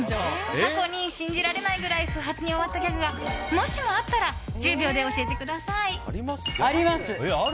過去に信じられないぐらい不発に終わったギャグが、もしもあったら１０秒で教えてください。あります。